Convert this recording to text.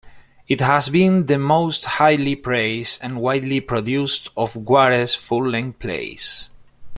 It has been the most highly praised and widely produced of Guare's full-length plays.